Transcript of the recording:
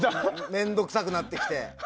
めんどくさくなってきて。